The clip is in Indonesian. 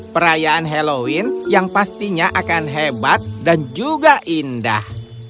perayaan halloween yang pastinya akan hebat dan juga indah